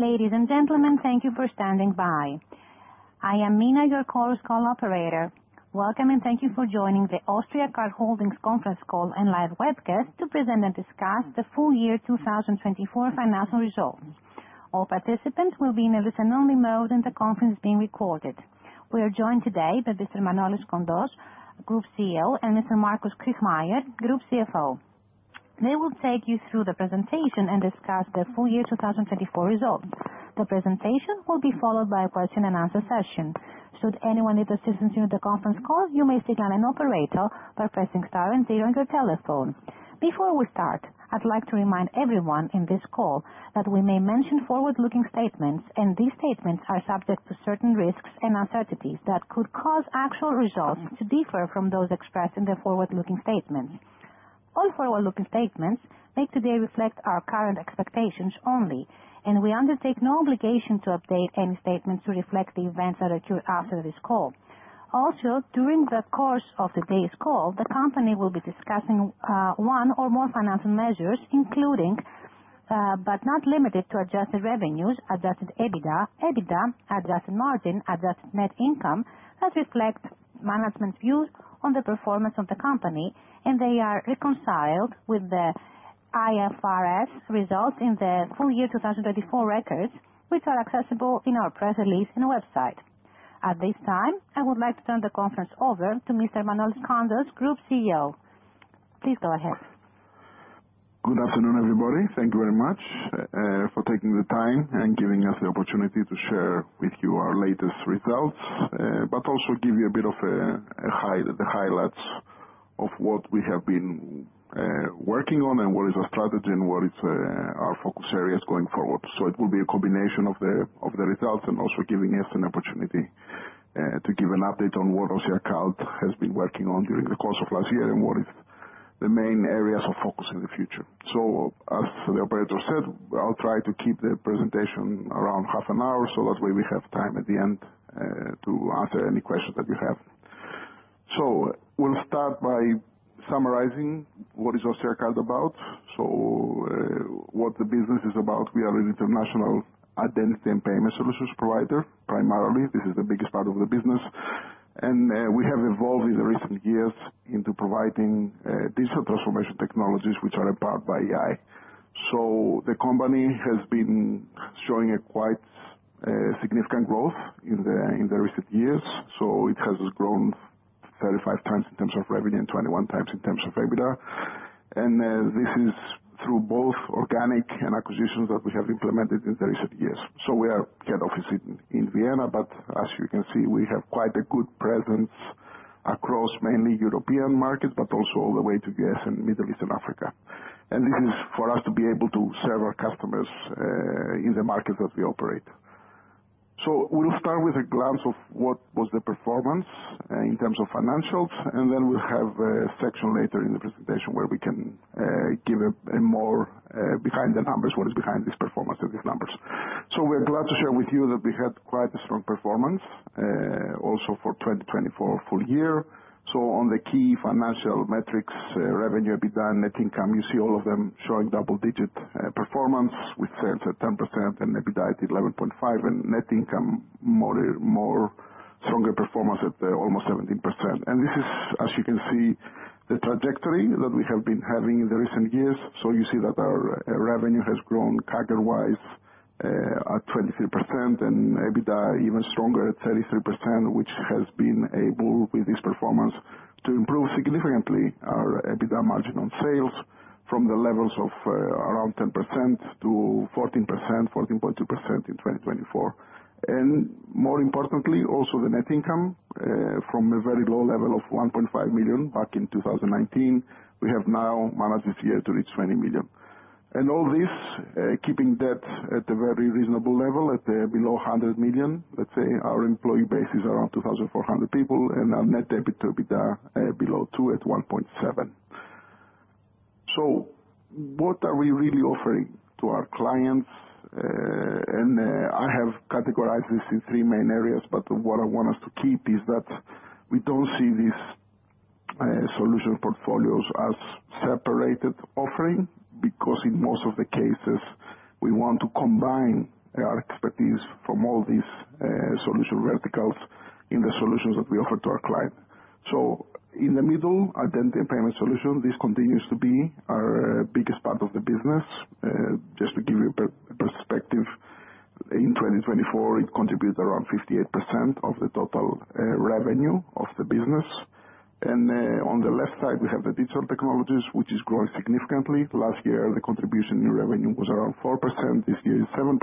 Ladies and gentlemen, thank you for standing by. I am Mina, your call's call operator. Welcome, and thank you for joining the Austriacard Holdings conference call and live webcast to present and discuss the Full Year 2024 Financial Results. All participants will be in a listen-only mode, and the conference is being recorded. We are joined today by Mr. Manolis Kontos, Group CEO, and Mr. Markus Kirchmayr, Group CFO. They will take you through the presentation and discuss the full year 2024 results. The presentation will be followed by a question and answer session. Should anyone need assistance during the conference call, you may signal an operator by pressing star and zero on your telephone. Before we start, I'd like to remind everyone on this call that we may mention forward-looking statements. These statements are subject to certain risks and uncertainties that could cause actual results to differ from those expressed in the forward-looking statements. All forward-looking statements made today reflect our current expectations only. We undertake no obligation to update any statements to reflect the events that occur after this call. During the course of today's call, the company will be discussing one or more financial measures, including but not limited to adjusted revenues, adjusted EBITDA, adjusted margin, adjusted net income that reflect management views on the performance of the company and they are reconciled with the IFRS results in the full year 2024 records, which are accessible in our press release and website. At this time, I would like to turn the conference over to Mr. Manolis Kontos, Group CEO. Please go ahead. Good afternoon, everybody. Thank you very much for taking the time and giving us the opportunity to share with you our latest results, but also give you a bit of the highlights of what we have been working on and what is our strategy and what is our focus areas going forward. It will be a combination of the results and also giving us an opportunity to give an update on what Austriacard has been working on during the course of last year and what is the main areas of focus in the future. As the operator said, I'll try to keep the presentation around half an hour, so that way we have time at the end to answer any questions that you have. We'll start by summarizing what is Austriacard about. What the business is about. We are an international identity and payment solutions provider. Primarily, this is the biggest part of the business. We have evolved in the recent years into providing digital transformation technologies, which are powered by AI. The company has been showing a quite significant growth in the recent years. It has grown 35x in terms of revenue and 21x in terms of EBITDA. This is through both organic and acquisitions that we have implemented in the recent years. We are head office in Vienna, but as you can see, we have quite a good presence across mainly European markets, but also all the way to the Middle East and Africa. This is for us to be able to serve our customers in the markets that we operate. We will start with a glance of what was the performance in terms of financials, and then we will have a section later in the presentation where we can give a more behind the numbers, what is behind this performance of these numbers. We are glad to share with you that we had quite a strong performance, also for 2024 full year. On the key financial metrics, revenue, EBITDA, net income, you see all of them showing double-digit performance with sales at 10% and EBITDA at 11.5%, and net income more stronger performance at almost 17%. This is, as you can see, the trajectory that we have been having in the recent years. You see that our revenue has grown CAGR wise at 23% and EBITDA even stronger at 33%, which has been able, with this performance, to improve significantly our EBITDA margin on sales from the levels of around 10% to 14%, 14.2% in 2024. More importantly, also the net income, from a very low level of 1.5 million back in 2019, we have now managed this year to reach 20 million. All this, keeping debt at a very reasonable level at below 100 million. Let's say our employee base is around 2,400 people, and our net debt to EBITDA below 2% at 1.7%. What are we really offering to our clients? I have categorized this in three main areas, but what I want us to keep is that we don't see these solution portfolios as separated offering, because in most of the cases, we want to combine our expertise from all these solution verticals in the solutions that we offer to our client. In the middle, identity and payment solution, this continues to be our biggest part of the business. Just to give you perspective, in 2024, it contributed around 58% of the total revenue of the business. On the left side, we have the digital technologies, which is growing significantly. Last year, the contribution in revenue was around 4%. This year it's 7%.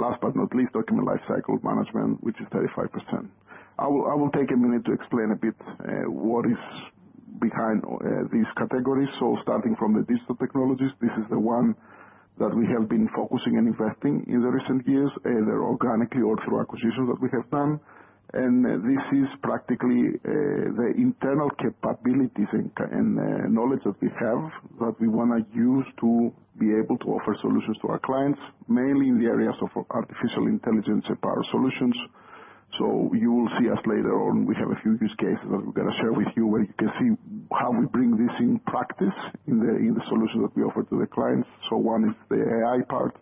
Last but not least, document lifecycle management, which is 35%. I will take a minute to explain a bit what is behind these categories. Starting from the digital technologies, this is the one that we have been focusing and investing in the recent years, either organically or through acquisitions that we have done. This is practically the internal capabilities and knowledge that we have that we want to use to be able to offer solutions to our clients, mainly in the areas of artificial intelligence and power solutions. You will see us later on. We have a few use cases that we're going to share with you where you can see how we bring this in practice in the solution that we offer to the clients. One is the AI part,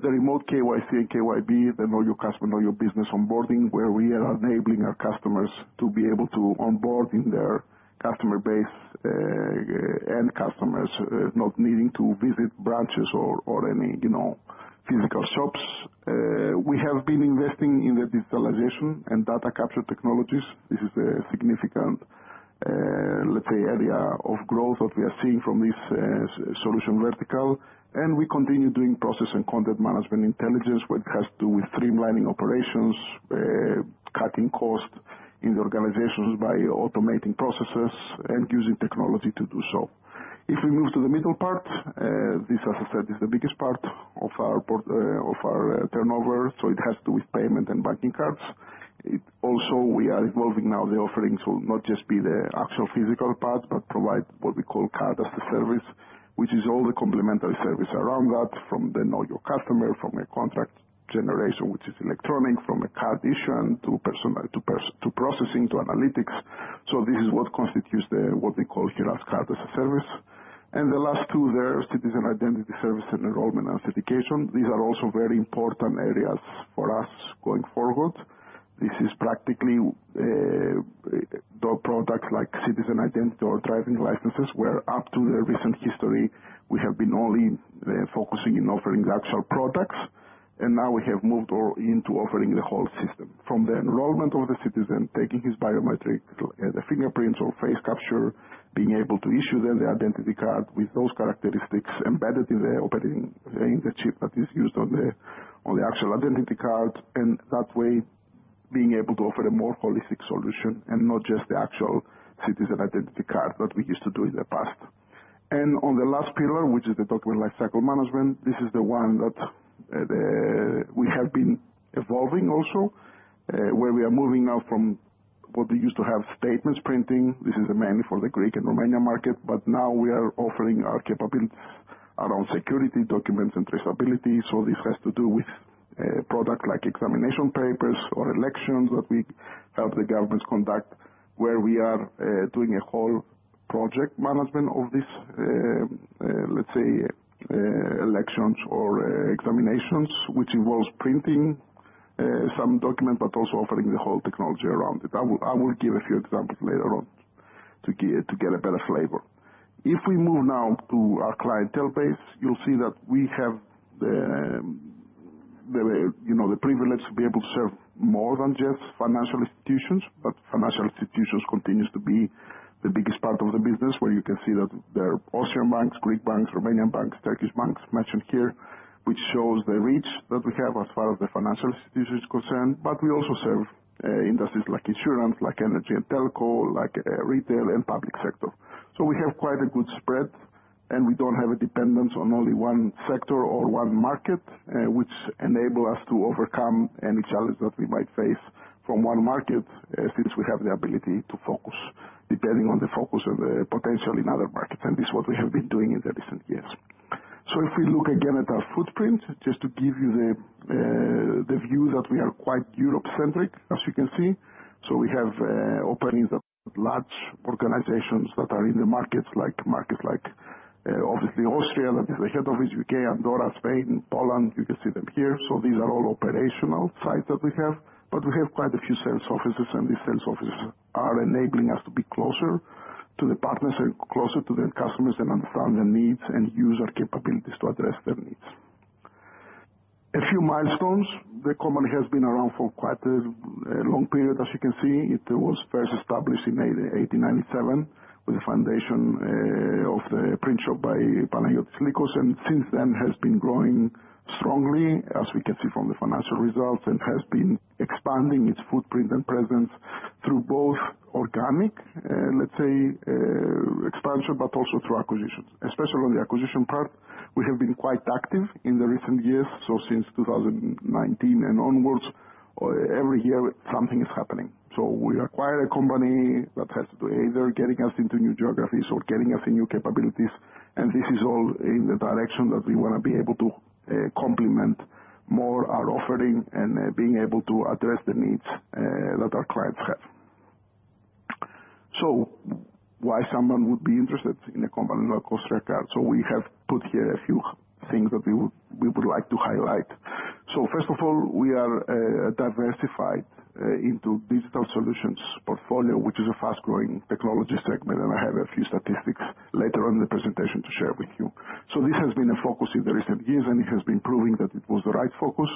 the remote KYC and KYB, the Know Your Customer, Know Your Business onboarding, where we are enabling our customers to be able to onboard in their customer base, end customers, not needing to visit branches or any physical shops. We have been investing in the digitalization and data capture technologies. This is a significant area of growth that we are seeing from this solution vertical, and we continue doing process and content management intelligence, which has to do with streamlining operations, cutting costs in the organizations by automating processes and using technology to do so. If we move to the middle part, this, as I said, is the biggest part of our turnover, so it has to do with payment and banking cards. Also, we are evolving now. The offerings will not just be the actual physical part, but provide what we call Card as a Service, which is all the complementary service around that from the know your customer, from a contract generation, which is electronic, from a card issue, to processing, to analytics. This is what constitutes what we call here as Card as a Service. The last two there, citizen identity service and enrollment authentication. These are also very important areas for us going forward. This is practically the products like citizen identity or driving licenses, where up to the recent history, we have been only focusing in offering the actual products. Now we have moved into offering the whole system. From the enrollment of the citizen, taking his biometric, the fingerprints or face capture, being able to issue them the identity card with those characteristics embedded in the chip that is used on the actual identity card, and that way being able to offer a more holistic solution and not just the actual citizen identity card that we used to do in the past. On the last pillar, which is the document lifecycle management, this is the one that we have been evolving also, where we are moving now from what we used to have statements printing. This is mainly for the Greek and Romanian market. Now we are offering our capabilities around security documents and traceability. This has to do with products like examination papers or elections that we help the governments conduct, where we are doing a whole project management of these elections or examinations, which involves printing some document, but also offering the whole technology around it. I will give a few examples later on to get a better flavor. If we move now to our clientele base, you'll see that we have the privilege to be able to serve more than just financial institutions, but financial institutions continue to be the biggest part of the business, where you can see that there are Austrian banks, Greek banks, Romanian banks, Turkish banks mentioned here, which shows the reach that we have as far as the financial institution is concerned. We also serve industries like insurance, like energy and telco, like retail, and public sector. We have quite a good spread, and we don't have a dependence on only one sector or one market, which enables us to overcome any challenge that we might face from one market, since we have the ability to focus, depending on the focus or the potential in other markets. This is what we have been doing in the recent years. If we look again at our footprint, just to give you the view that we are quite Europe-centric, as you can see. We have openings of large organizations that are in the markets, like obviously Austria, that is the head office, U.K., Andorra, Spain, Poland. You can see them here. These are all operational sites that we have, but we have quite a few sales offices, and these sales offices are enabling us to be closer to the partners and closer to the customers and understand their needs and use our capabilities to address their needs. A few milestones. The company has been around for quite a long period, as you can see. It was first established in 1897 with the foundation of the print shop by Panagiotis Lykos, and since then has been growing strongly, as we can see from the financial results, and has been expanding its footprint and presence through both organic expansion, but also through acquisitions. Especially on the acquisition part, we have been quite active in the recent years. Since 2019 and onwards, every year, something is happening. We acquire a company that has to do either getting us into new geographies or getting us in new capabilities, and this is all in the direction that we want to be able to complement more our offering and being able to address the needs that our clients have. Why someone would be interested in a company like Austriacard? We have put here a few things that we would like to highlight. First of all, we are diversified into digital solutions portfolio, which is a fast-growing technology segment, and I have a few statistics later on in the presentation to share with you. This has been a focus in the recent years, and it has been proving that it was the right focus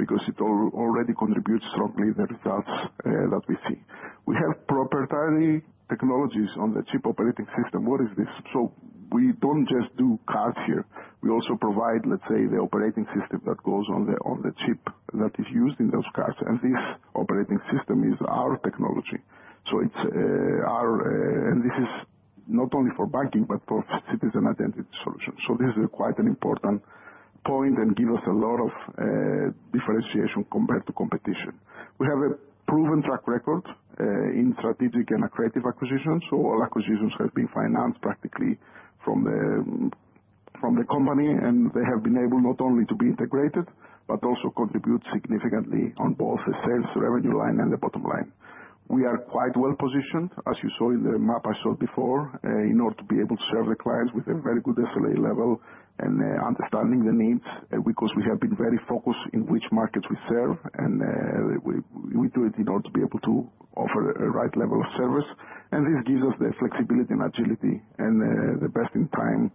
because it already contributes strongly the results that we see. We have proprietary technologies on the chip operating system. What is this? We don't just do cards here. We also provide, let's say, the operating system that goes on the chip that is used in those cards, and this operating system is our technology. This is not only for banking, but for citizen identity solutions. This is quite an important point and give us a lot of differentiation compared to competition. We have a proven track record in strategic and accretive acquisitions. All acquisitions have been financed practically from the company, and they have been able not only to be integrated but also contribute significantly on both the sales revenue line and the bottom line. We are quite well-positioned, as you saw in the map I showed before, in order to be able to serve the clients with a very good SLA level and understanding the needs, because we have been very focused in which markets we serve. We do it in order to be able to offer a right level of service. This gives us the flexibility and agility and the best in time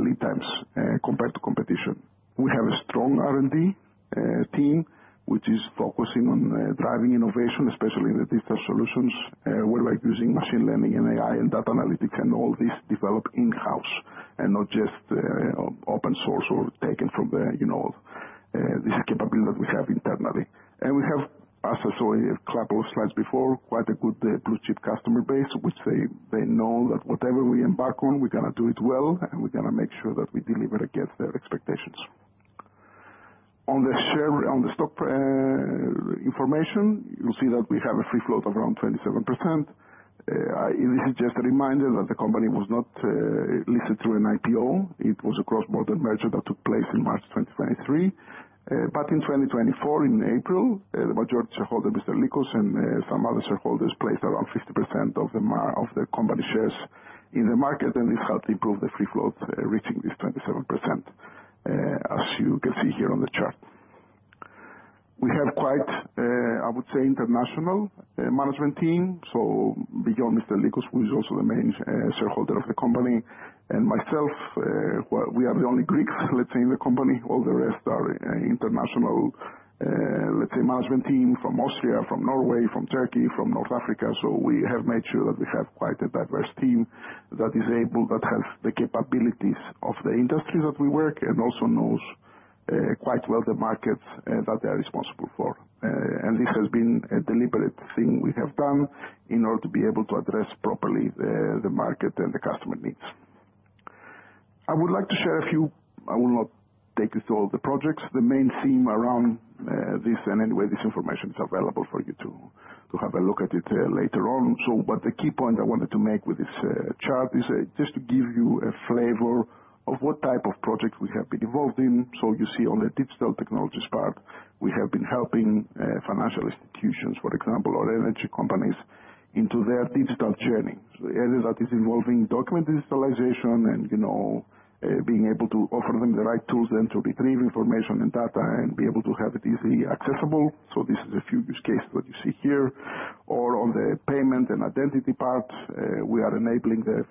lead times compared to competition. We have a strong R&D team, which is focusing on driving innovation, especially in the digital solutions, where like using machine learning and AI and data analytics and all this developed in-house and not just open source or taken from the, you know. This is a capability that we have internally. We have, as I showed you a couple of slides before, quite a good blue-chip customer base, which they know that whatever we embark on, we're going to do it well, and we're going to make sure that we deliver against their expectations. On the stock information, you'll see that we have a free float of around 27%. This is just a reminder that the company was not listed through an IPO. It was a cross-border merger that took place in March 2023. In 2024, in April, the majority shareholder, Mr. Lykos, and some other shareholders placed around 50% of the company shares in the market, and this helped improve the free float, reaching this 27%, as you can see here on the chart. We have quite, I would say, international management team. Beyond Mr. Lykos, who is also the main shareholder of the company, and myself, we are the only Greeks, let's say, in the company. All the rest are international, let's say, management team from Austria, from Norway, from Turkey, from North Africa. We have made sure that we have quite a diverse team that is able, that has the capabilities of the industry that we work and also knows quite well the markets that they are responsible for. This has been a deliberate thing we have done in order to be able to address properly the market and the customer needs. I would like to share a few. I will not take you through all the projects. The main theme around this, and anyway, this information is available for you to have a look at it later on. The key point I wanted to make with this chart is just to give you a flavor of what type of projects we have been involved in. You see on the digital technologies part, we have been helping financial institutions, for example, or energy companies into their digital journey. Areas that is involving document digitalization and being able to offer them the right tools then to retrieve information and data and be able to have it easily accessible. This is a few use case that you see here or on the payment and identity part, we are enabling the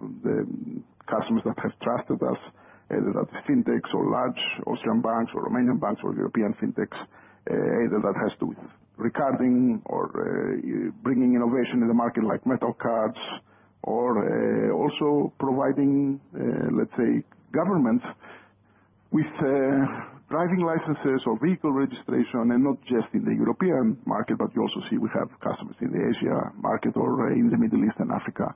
customers that have trusted us, either that's fintechs or large Austrian banks or Romanian banks or European fintechs, either that has to do with recording or bringing innovation in the market like metal cards or also providing, let's say, governments with driving licenses or vehicle registration, and not just in the European market, but you also see we have customers in the Asia market or in the Middle East and Africa.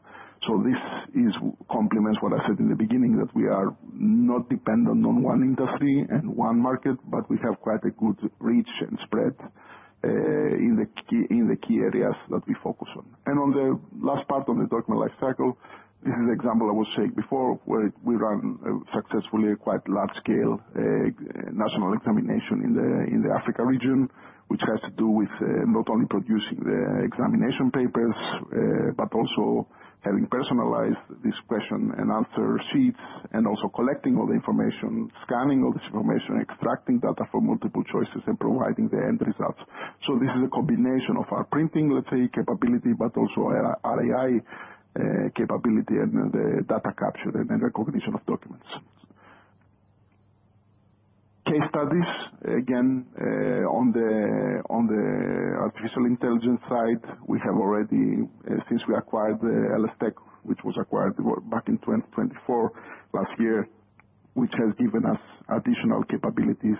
This complements what I said in the beginning, that we are not dependent on one industry and one market, but we have quite a good reach and spread, in the key areas that we focus on. On the last part on the document lifecycle, this is the example I was saying before, where we run successfully a quite large-scale national examination in the Africa region, which has to do with not only producing the examination papers, but also having personalized this question-and-answer sheets and also collecting all the information, scanning all this information, extracting data from multiple choices, and providing the end results. This is a combination of our printing, let's say, capability, but also our AI capability and the data capture and recognition of documents. Case studies, again, on the artificial intelligence side, we have already, since we acquired the LSTech, which was acquired back in 2024, last year, which has given us additional capabilities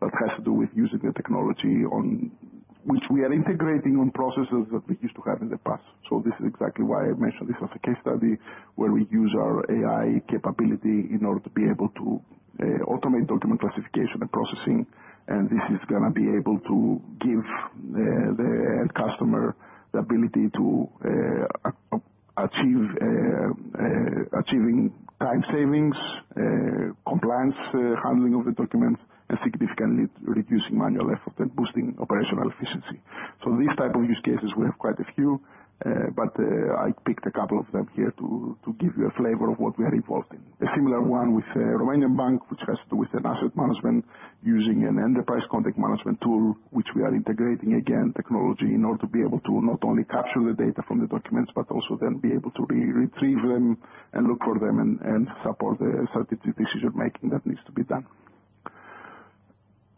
that has to do with using the technology, on which we are integrating on processes that we used to have in the past. This is exactly why I mentioned this as a case study where we use our AI capability in order to be able to automate document classification and processing. This is going to be able to give the end customer the ability to achieving time savings, compliance, handling of the documents, and significantly reducing manual effort and boosting operational efficiency. These type of use cases, we have quite a few. I picked a couple of them here to give you a flavor of what we are involved in. A similar one with a Romanian bank, which has to do with an asset management using an enterprise content management tool, which we are integrating, again, technology in order to be able to not only capture the data from the documents, but also then be able to retrieve them and look for them and support the strategic decision-making that needs to be done.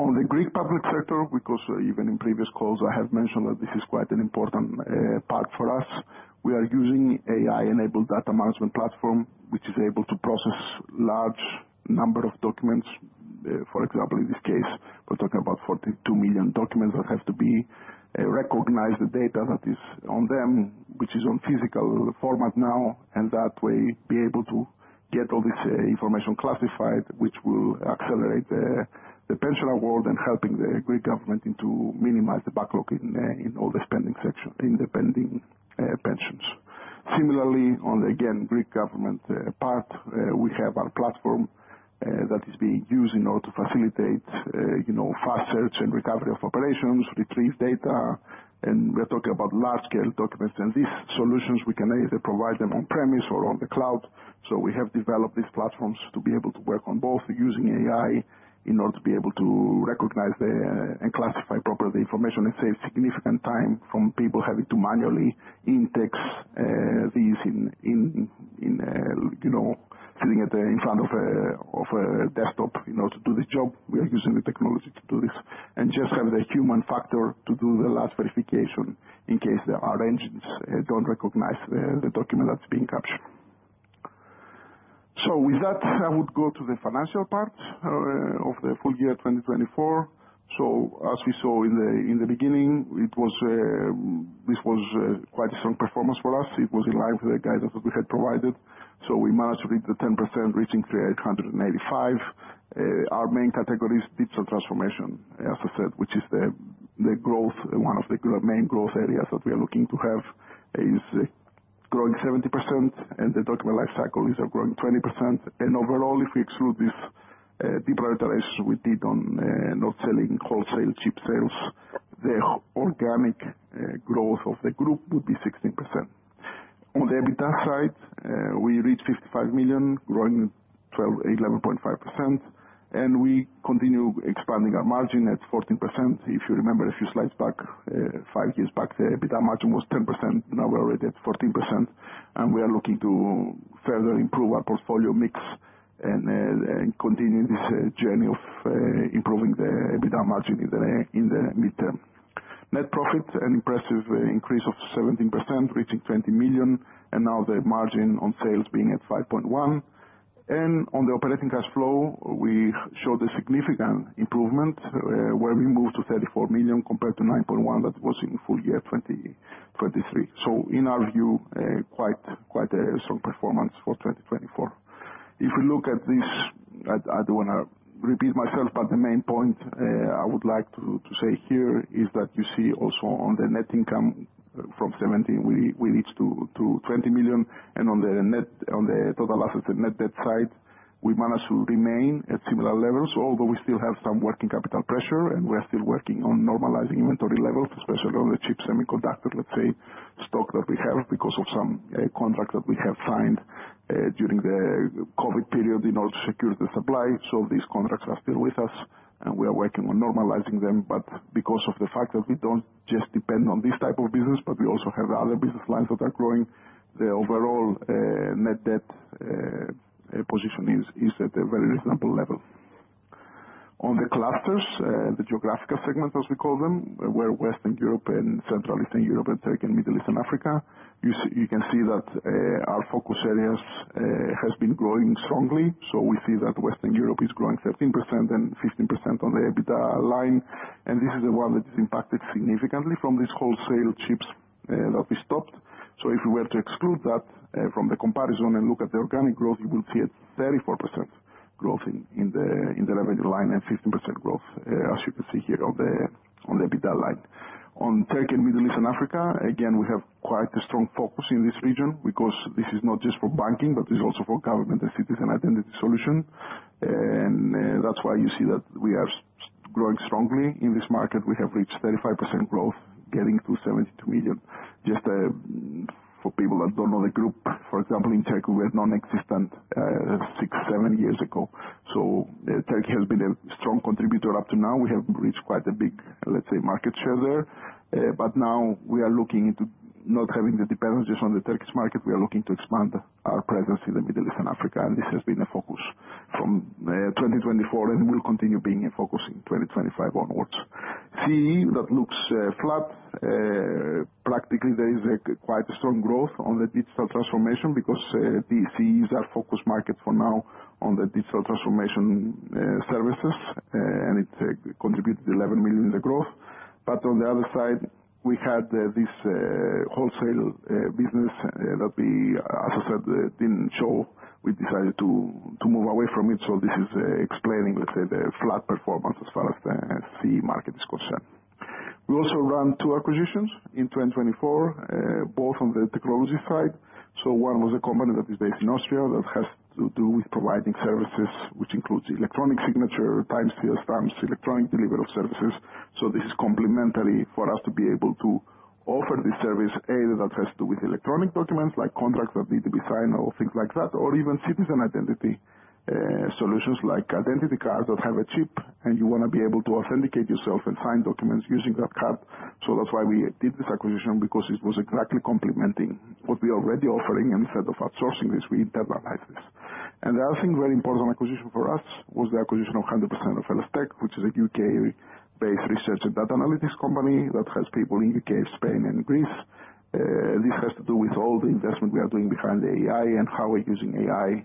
On the Greek public sector, because even in previous calls, I have mentioned that this is quite an important part for us. We are using AI-enabled data management platform, which is able to process large number of documents. For example, in this case, we're talking about 42 million documents that have to be recognized, the data that is on them, which is on physical format now, and that way be able to get all this information classified, which will accelerate the pension award and helping the Greek government into minimize the backlog in all the spending section, in the pending pensions. Similarly, on again, Greek government part, we have our platform that is being used in order to facilitate fast search and recovery of operations, retrieve data, and we are talking about large scale documents. These solutions, we can either provide them on premise or on the cloud. We have developed these platforms to be able to work on both using AI in order to be able to recognize and classify properly information and save significant time from people having to manually index these, sitting in front of a desktop to do this job. We are using the technology to do this and just have the human factor to do the last verification in case our engines don't recognize the document that's being captured. With that, I would go to the financial part of the full year 2024. As we saw in the beginning, this was quite a strong performance for us. It was in line with the guidance that we had provided. We managed to beat the 10%, reaching 3,885. Our main category is digital transformation, as I said, which is one of the main growth areas that we are looking to have, is growing 70%, and the document life cycle is growing 20%. Overall, if we exclude this deprioritization we did on not selling wholesale chip sales, the organic growth of the group would be 16%. On the EBITDA side, we reached 55 million, growing 11.5%, and we continue expanding our margin at 14%. If you remember a few slides back, five years back, the EBITDA margin was 10%. Now we're already at 14%, and we are looking to further improve our portfolio mix and continue this journey of improving the EBITDA margin in the midterm. Net profit, an impressive increase of 17%, reaching 20 million, and now the margin on sales being at 5.1%. On the operating cash flow, we showed a significant improvement, where we moved to 34 million compared to 9.1 million that was in full year 2023. In our view, quite a strong performance for 2024. If we look at this, I don't want to repeat myself, but the main point I would like to say here is that you see also on the net income from 17 million, we reached to 20 million and on the total assets and net debt side, we managed to remain at similar levels, although we still have some working capital pressure, and we are still working on normalizing inventory levels, especially on the chip semiconductor, let's say, stock that we have because of some contracts that we have signed during the COVID period in order to secure the supply. These contracts are still with us, and we are working on normalizing them. Because of the fact that we don't just depend on this type of business, but we also have other business lines that are growing, the overall net debt position is at a very reasonable level. On the clusters, the geographical segments, as we call them, where Western Europe and Central Eastern Europe and Turkey and Middle East and Africa, you can see that our focus areas has been growing strongly. We see that Western Europe is growing 13% and 15% on the EBITDA line. This is the one that is impacted significantly from this wholesale chips, that we stopped. If we were to exclude that from the comparison and look at the organic growth, you will see a 34% growth in the revenue line and 15% growth, as you can see here on the EBITDA line. On Turkey and Middle East and Africa, again, we have quite a strong focus in this region because this is not just for banking, but this is also for government and citizen identity solution. That's why you see that we are growing strongly in this market. We have reached 35% growth, getting to 72 million. Just for people that don't know the group, for example, in Turkey, we are nonexistent six, seven years ago. Turkey has been a strong contributor up to now. We have reached quite a big, let's say, market share there. Now we are looking into not having the dependence just on the Turkish market. We are looking to expand our presence in the Middle East and Africa. This has been a focus from 2024, and it will continue being a focus in 2025 onwards. CE, that looks flat. Practically, there is quite a strong growth on the digital transformation because CE is our focus market for now on the digital transformation services. It contributed 11 million in growth. On the other side, we had this wholesale business that, as I said, didn't show. We decided to move away from it. This is explaining, let's say, the flat performance as far as the CE market is concerned. We also ran two acquisitions in 2024, both on the technology side. One was a company that is based in Austria that has to do with providing services, which includes electronic signature, time and field stamps, electronic delivery of services. This is complementary for us to be able to offer this service that has to do with electronic documents like contracts that need to be signed or things like that. Even citizen identity solutions like identity cards that have a chip and you want to be able to authenticate yourself and sign documents using that card. That's why we did this acquisition, because it was exactly complementing what we are already offering. Instead of outsourcing this, we internalized this. The other thing, very important acquisition for us was the acquisition of 100% of LSTech, which is a U.K.-based research and data analytics company that has people in U.K., Spain and Greece. This has to do with all the investment we are doing behind AI and how we're using AI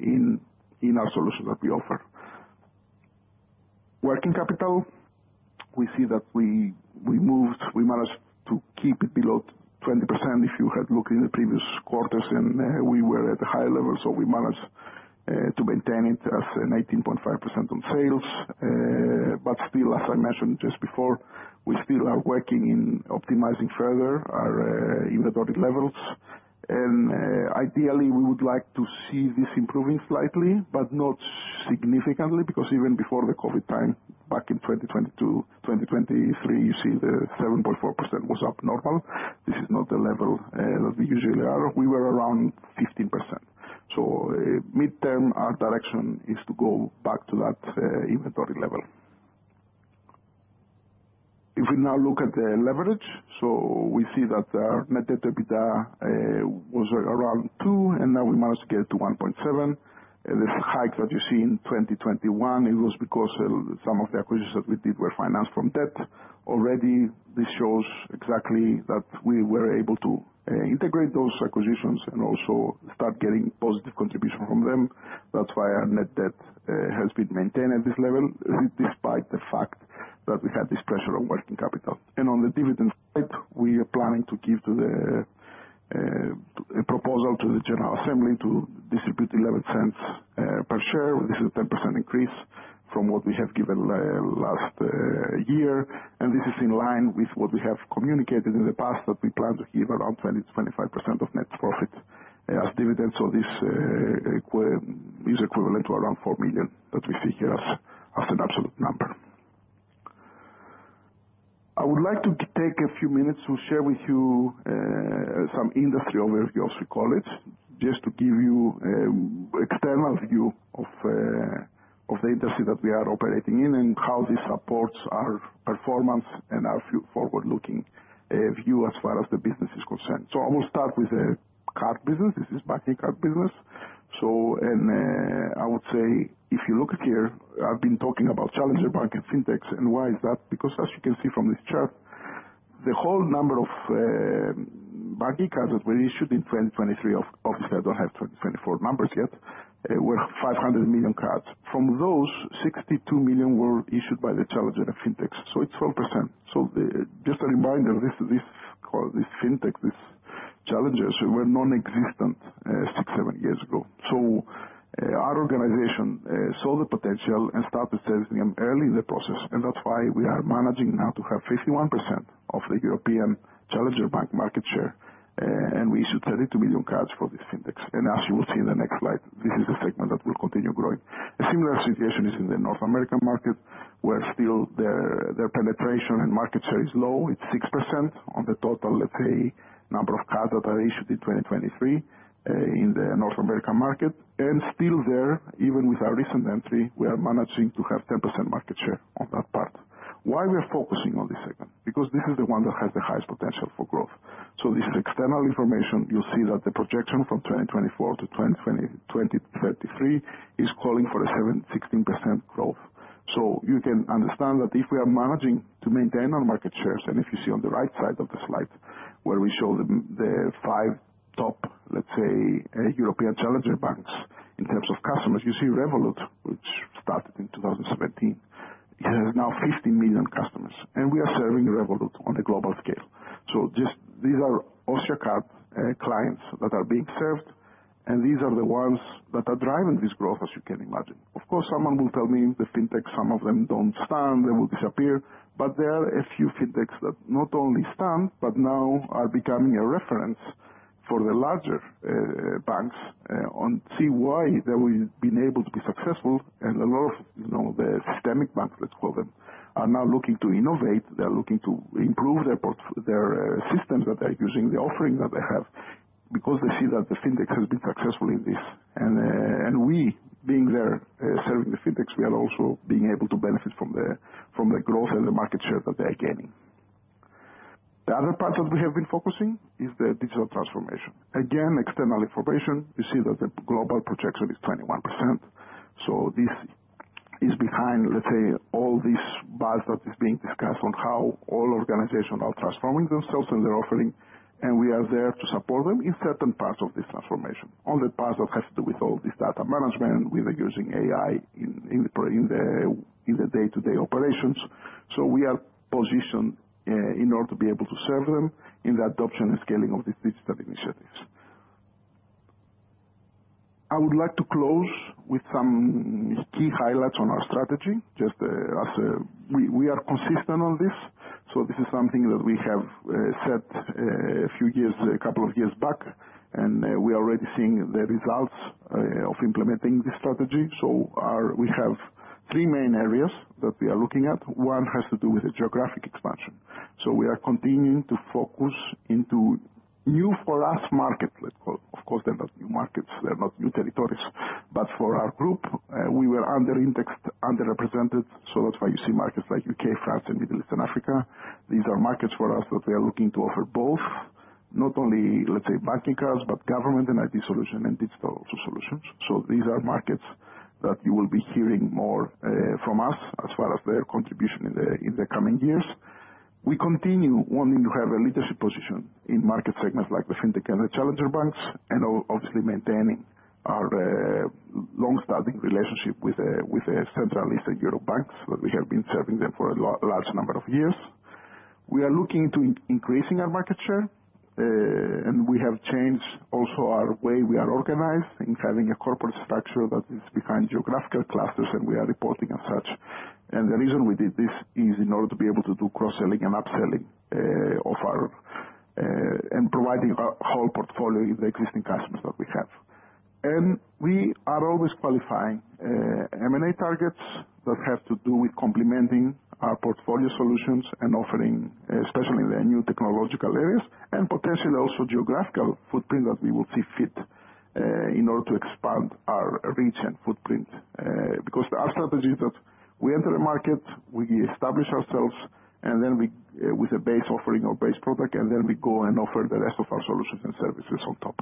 in our solutions that we offer. Working capital, we see that we managed to keep it below 20%. If you had looked in the previous quarters, we were at a higher level. We managed to maintain it as an 18.5% on sales. Still, as I mentioned just before, we still are working in optimizing further our inventory levels. Ideally, we would like to see this improving slightly, but not significantly, because even before the COVID time, back in 2022, 2023, you see the 7.4% was abnormal. This is not the level that we usually are. We were around 15%. Midterm, our direction is to go back to that inventory level. If we now look at the leverage, we see that our net debt to EBITDA was around 2%, and now we managed to get to 1.7%. This hike that you see in 2021, it was because some of the acquisitions that we did were financed from debt. Already, this shows exactly that we were able to integrate those acquisitions and also start getting positive contribution from them. That's why our net debt has been maintained at this level, despite the fact that we had this pressure on working capital. On the dividend side, we are planning to give a proposal to the general assembly to distribute 0.11 per share. This is a 10% increase from what we have given last year. This is in line with what we have communicated in the past that we plan to give around 20%-25% of net profit as dividends. This is equivalent to around 4 million that we see here as an absolute number. I would like to take a few minutes to share with you some industry overview of IS College, just to give you external view of the industry that we are operating in and how this supports our performance and our forward-looking view as far as the business is concerned. I will start with the card business. This is banking card business. I would say if you look here, I've been talking about challenger bank and fintechs, and why is that? As you can see from this chart, the whole number of banking cards that were issued in 2023, obviously, I don't have 2024 numbers yet, were 500 million cards. From those, 62 million were issued by the challenger of fintechs, so it's 12%. Just a reminder, these fintech, these challengers, were non-existent six, seven years ago. Our organization saw the potential and started serving them early in the process, and that's why we are managing now to have 51% of the European challenger bank market share. We issued 32 million cards for these fintechs. As you will see in the next slide, this is a segment that will continue growing. A similar situation is in the North American market, where still their penetration and market share is low. It's 6% on the total, let's say, number of cards that are issued in 2023, in the North American market. Still there, even with our recent entry, we are managing to have 10% market share on that part. Why we are focusing on this segment? Because this is the one that has the highest potential for growth. This is external information. You'll see that the projection from 2024 to 2033 is calling for a 16% growth. You can understand that if we are managing to maintain our market shares, and if you see on the right side of the slide where we show the five top, let's say, European challenger banks in terms of customers, you see Revolut, which started in 2017. It has now 15 million customers, and we are serving Revolut on a global scale. These are Austriacard clients that are being served, and these are the ones that are driving this growth, as you can imagine. Of course, someone will tell me the fintech, some of them don't stand, they will disappear. There are a few fintechs that not only stand, but now are becoming a reference for the larger banks, on see why they will be able to be successful. A lot of the systemic banks, let's call them, are now looking to innovate. They're looking to improve their systems that they're using, the offering that they have, because they see that the fintech has been successful in this. We being there, serving the fintechs, we are also being able to benefit from the growth and the market share that they are gaining. The other part that we have been focusing is the digital transformation. Again, external information. You see that the global projection is 21%. This is behind, let's say, all these buzz that is being discussed on how all organizations are transforming themselves and their offering, and we are there to support them in certain parts of this transformation. On the part that has to do with all this data management, with using AI in the day-to-day operations. We are positioned in order to be able to serve them in the adoption and scaling of these digital initiatives. I would like to close with some key highlights on our strategy, just as we are consistent on this. This is something that we have set a couple of years back, and we are already seeing the results of implementing this strategy. We have three main areas that we are looking at. One has to do with the geographic expansion. We are continuing to focus into new for us market, let's call it. Of course, they're not new markets, they're not new territories. For our group, we were under-indexed, underrepresented. That's why you see markets like U.K., France, and Middle East, and Africa. These are markets for us that we are looking to offer both, not only, let's say, banking cards, but government and ID solution and digital solutions. These are markets that you will be hearing more from us as far as their contribution in the coming years. We continue wanting to have a leadership position in market segments like the fintech and the challenger banks, and obviously maintaining our long-standing relationship with Central and Eastern Europe banks, that we have been serving them for a large number of years. We are looking into increasing our market share, and we have changed also our way we are organized in having a corporate structure that is behind geographical clusters, and we are reporting as such. The reason we did this is in order to be able to do cross-selling and upselling and providing our whole portfolio to the existing customers that we have. We are always qualifying M&A targets that have to do with complementing our portfolio solutions and offering, especially in the new technological areas and potentially also geographical footprint that we will see fit in order to expand our reach and footprint. Our strategy is that we enter a market, we establish ourselves with a base offering or base product, then we go and offer the rest of our solutions and services on top.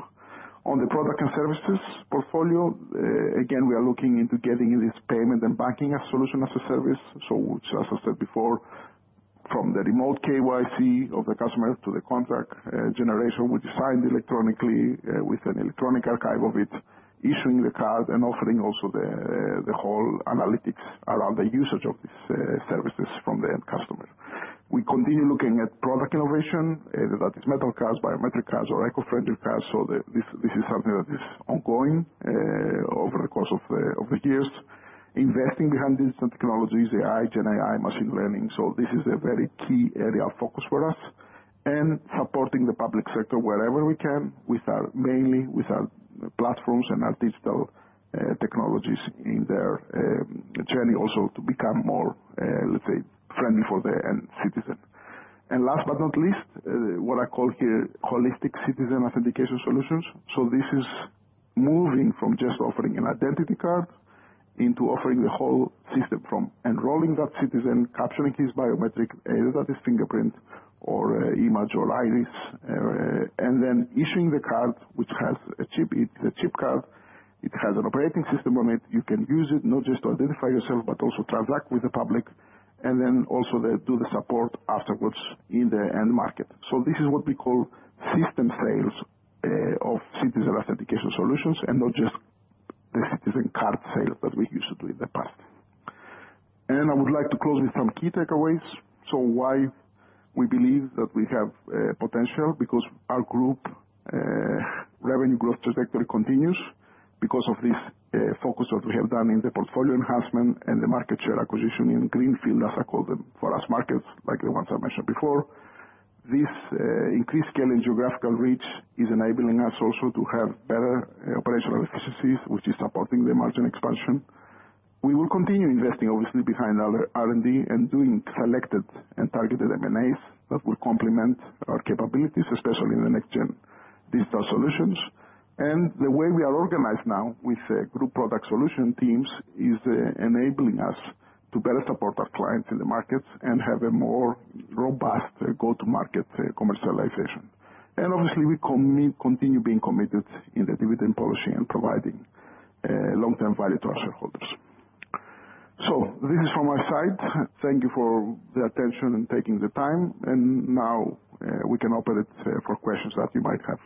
On the product and services portfolio, again, we are looking into getting in this payment and banking solution as a service. As I said before, from the remote KYC of the customer to the contract generation, we sign electronically, with an electronic archive of it, issuing the card and offering also the whole analytics around the usage of these services from the end customer. We continue looking at product innovation, whether that is metal cards, biometric cards or eco-friendly cards. This is something that is ongoing, over the course of the years, investing behind digital technologies, AI, GenAI, machine learning. This is a very key area of focus for us and supporting the public sector wherever we can, mainly with our platforms and our digital technologies in their journey also to become more, let's say, friendly for the end citizen. Last but not least, what I call here holistic citizen authentication solutions. This is moving from just offering an identity card into offering the whole system from enrolling that citizen, capturing his biometric, whether that is fingerprint or image or iris, and then issuing the card, which has a chip in it's a chip card. It has an operating system on it. You can use it not just to identify yourself, but also transact with the public, and then also do the support afterwards in the end market. This is what we call system sales of citizen authentication solutions, and not just the citizen card sale that we used to do in the past. I would like to close with some key takeaways. Why we believe that we have potential, because our group revenue growth trajectory continues because of this focus that we have done in the portfolio enhancement and the market share acquisition in greenfield, as I call them, for us markets like the ones I mentioned before. This increased scale and geographical reach is enabling us also to have better operational efficiencies, which is supporting the margin expansion. We will continue investing obviously behind our R&D and doing selected and targeted M&As that will complement our capabilities, especially in the next-gen digital solutions. The way we are organized now with group product solution teams is enabling us to better support our clients in the markets and have a more robust go-to-market commercialization. Obviously, we continue being committed in the dividend policy and providing long-term value to our shareholders. This is from my side. Thank you for the attention and taking the time, and now, we can open it for questions that you might have.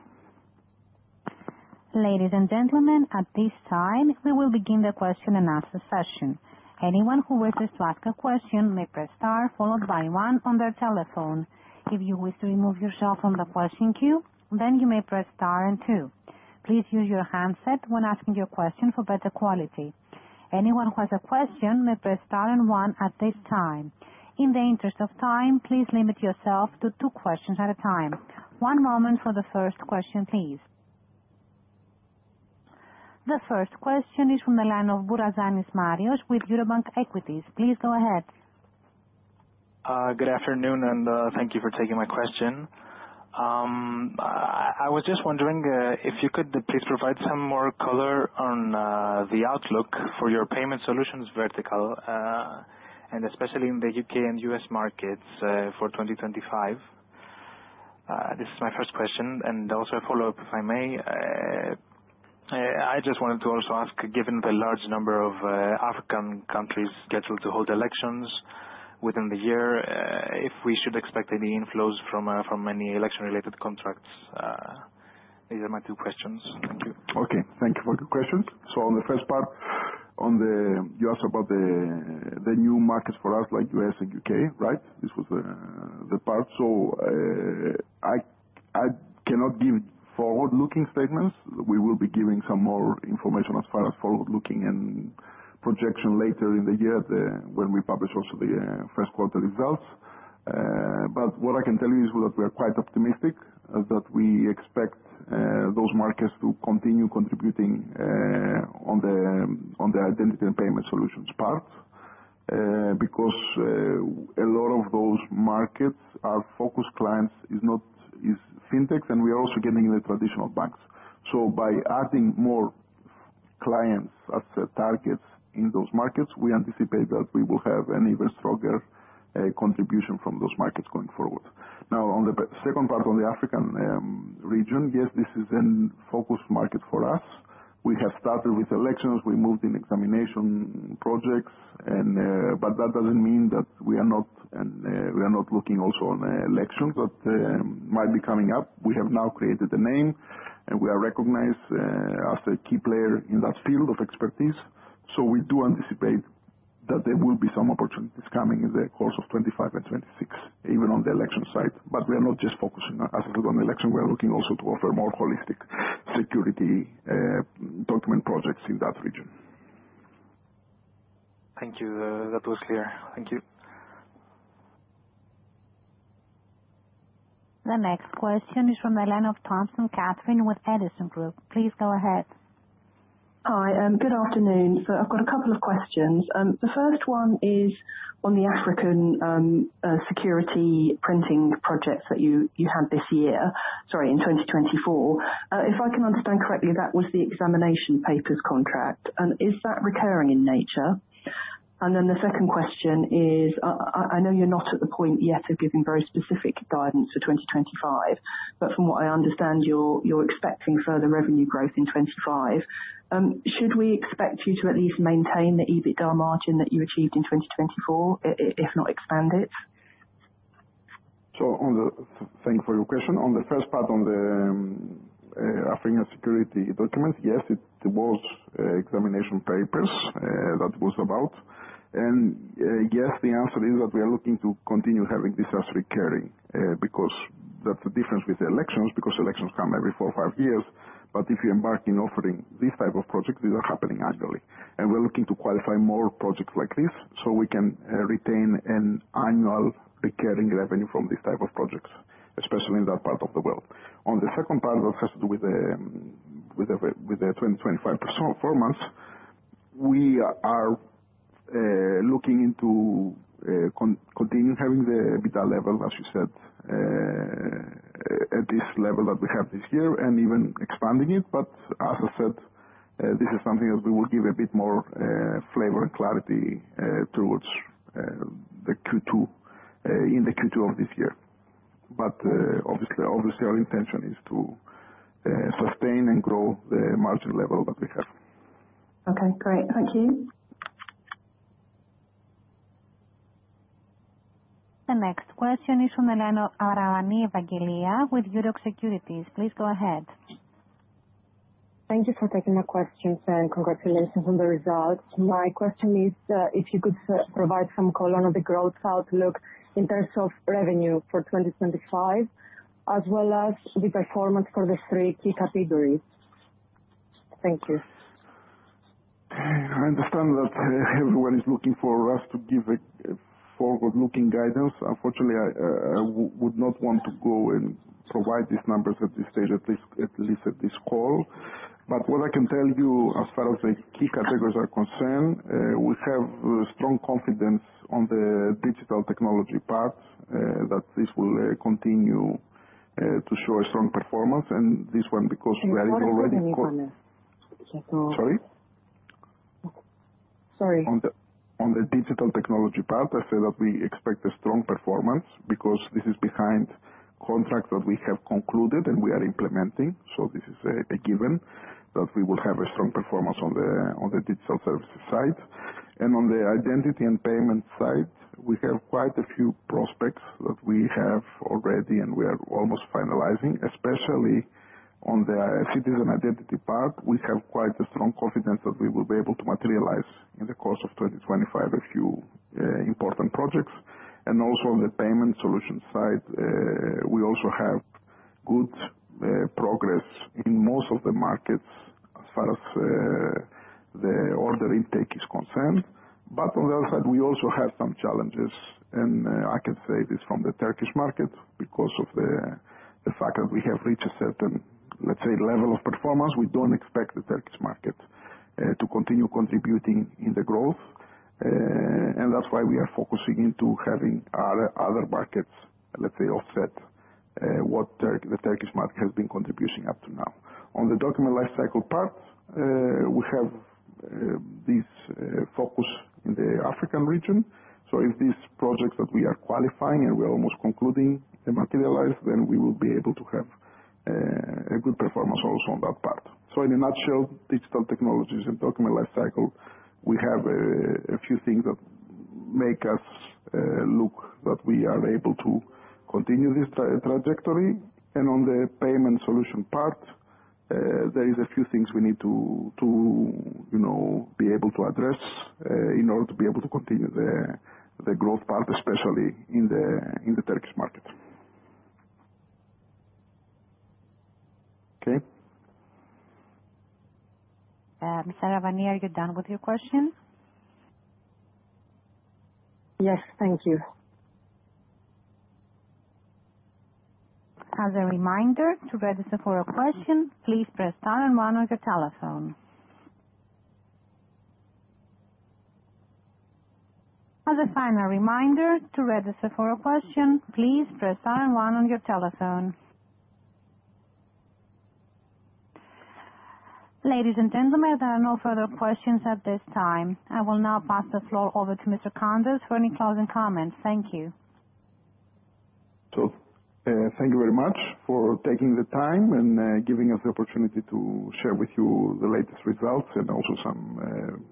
Ladies and gentlemen, at this time, we will begin the question-and-answer session. Anyone who wishes to ask a question may press star followed by one on their telephone. If you wish to remove yourself from the question queue, you may press star and two. Please use your handset when asking your question for better quality. Anyone who has a question may press star and one at this time. In the interest of time, please limit yourself to two questions at a time. One moment for the first question, please. The first question is from the line of Bourazanis Marios with Eurobank Equities. Please go ahead. Good afternoon, and thank you for taking my question. I was just wondering if you could please provide some more color on the outlook for your payment solutions vertical, and especially in the U.K. and U.S. markets, for 2025. This is my first question, and also a follow-up, if I may. I just wanted to also ask, given the large number of African countries scheduled to hold elections within the year, if we should expect any inflows from any election-related contracts. These are my two questions. Thank you. Okay. Thank you for your questions. On the first part, you asked about the new markets for us, like U.S. and U.K., right? This was the part. I cannot give forward-looking statements. We will be giving some more information as far as forward-looking and projection later in the year when we publish also the first quarter results. What I can tell you is that we are quite optimistic, that we expect those markets to continue contributing on the identity and payment solutions part. Because a lot of those markets, our focus clients is fintechs, and we are also getting the traditional banks. By adding more clients as targets in those markets, we anticipate that we will have an even stronger contribution from those markets going forward. On the second part on the African region, yes, this is a focus market for us. We have started with elections, we moved in examination projects, but that doesn't mean that we are not looking also on elections that might be coming up. We have now created a name, and we are recognized as a key player in that field of expertise. We do anticipate that there will be some opportunities coming in the course of 2025 and 2026, even on the election side. We are not just focusing our attitude on election. We are looking also to offer more holistic security document projects in that region. Thank you. That was clear. Thank you. The next question is from the line of Thompson Katherine with Edison Group. Please go ahead. Hi. Good afternoon. I've got a couple of questions. The first one is on the African security printing projects that you had this year, sorry, in 2024. If I can understand correctly, that was the examination papers contract. Is that recurring in nature? The second question is, I know you're not at the point yet of giving very specific guidance for 2025, but from what I understand, you're expecting further revenue growth in 2025. Should we expect you to at least maintain the EBITDA margin that you achieved in 2024, if not expand it? Thank you for your question. On the first part on the African security documents, yes, it was examination papers that was about. Yes, the answer is that we are looking to continue having this as recurring, because that's the difference with the elections, because elections come every four or five years. If you embark in offering this type of project, these are happening annually. We're looking to qualify more projects like this so we can retain an annual recurring revenue from this type of projects, especially in that part of the world. On the second part that has to do with the 2025 performance, we are looking into continuing having the EBITDA level, as you said, at this level that we have this year and even expanding it. As I said, this is something that we will give a bit more flavor and clarity towards in the Q2 of this year. Obviously, our intention is to sustain and grow the margin level that we have. Okay, great. Thank you. The next question is from Aravani Evangelia with Euroxx Securities. Please go ahead. Thank you for taking my questions, and congratulations on the results. My question is, if you could provide some color on the growth outlook in terms of revenue for 2025, as well as the performance for the three key categories. Thank you. I understand that everyone is looking for us to give a forward-looking guidance. Unfortunately, I would not want to go and provide these numbers at this stage, at least at this call. What I can tell you as far as the key categories are concerned, we have strong confidence on the digital technology part, that this will continue to show a strong performance. This one because we are already. Can you repeat again? Sorry? Sorry. On the digital technology part, I said that we expect a strong performance because this is behind contracts that we have concluded and we are implementing. This is a given that we will have a strong performance on the digital services side. On the identity and payment side, we have quite a few prospects that we have already and we are almost finalizing, especially on the citizen identity part. We have quite a strong confidence that we will be able to materialize in the course of 2025, a few important projects. Also on the payment solution side, we also have good progress in most of the markets as far as the order intake is concerned. On the other side, we also have some challenges. I can say this from the Turkish market, because of the fact that we have reached a certain, let's say, level of performance, we don't expect the Turkish market to continue contributing in the growth. That's why we are focusing into having other markets, let's say, offset what the Turkish market has been contributing up to now. On the document lifecycle part, we have this focus in the African region. If these projects that we are qualifying and we are almost concluding materialize, then we will be able to have a good performance also on that part. In a nutshell, digital technologies and document lifecycle, we have a few things that make us look that we are able to continue this trajectory. On the payment solution part, there is a few things we need to be able to address in order to be able to continue the growth part, especially in the Turkish market. Okay? Ms. Aravani, are you done with your question? Yes. Thank you. As a reminder to register for a question. Please press star and one on your telephone. As a final reminder to register for a question. Please press star and one on your telephone. Ladies and gentlemen, there are no further questions at this time. I will now pass the floor over to Mr. Kontos for any closing comments. Thank you. Thank you very much for taking the time and giving us the opportunity to share with you the latest results and also some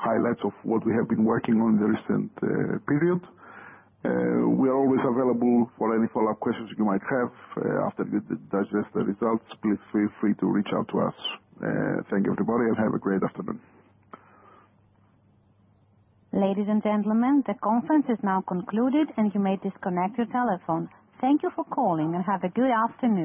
highlights of what we have been working on in the recent period. We are always available for any follow-up questions you might have after you digest the results. Please feel free to reach out to us. Thank you, everybody, and have a great afternoon. Ladies and gentlemen, the conference is now concluded, and you may disconnect your telephone. Thank you for calling, and have a good afternoon.